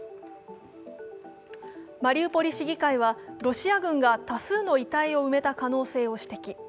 マリウポリ市議会はロシア軍が多数の遺体を埋めた可能性を指摘。